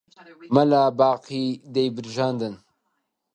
مەلا باقی دەیبرژاندن